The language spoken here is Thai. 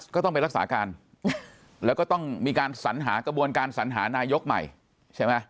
ก็ต้องไปรักษาการแล้วก็ต้องมีการสัญหากระบวนการสัญหานายกใหม่ใช่ไหม